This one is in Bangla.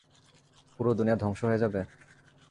পুরো দুনিয়া ধ্বংস হয়ে যাবে?